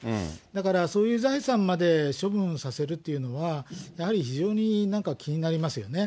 だから、そういう財産まで処分させるというのは、やはり非常になんか気になりますよね。